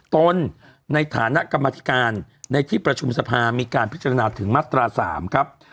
ตนในฐานะกรรมธิการในที่ประชุมสภามีการพิจารณาถึงมาตรา๓ครับ